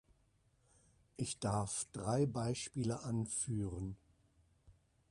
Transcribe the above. Ich darf drei Beispiele anführen.